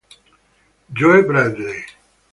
Joe Bradley